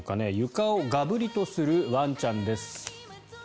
床をガブリとするワンちゃんです。